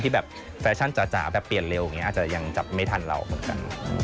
ที่แบบแฟชั่นจาแบบเปลี่ยนเร็วคือยังไม่ทันเวลาเหมือนกัน